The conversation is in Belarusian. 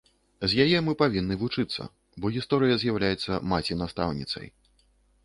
З яе мы павінны вучыцца, бо гісторыя з'яўляецца маці-настаўніцай.